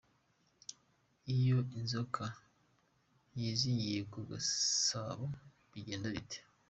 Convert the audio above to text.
Iyo inzoka yizingiye ku gisabo bigenda bite?.